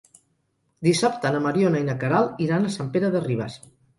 Dissabte na Mariona i na Queralt iran a Sant Pere de Ribes.